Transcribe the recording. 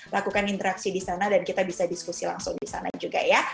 lakukan interaksi di sana dan kita bisa diskusi langsung di sana juga ya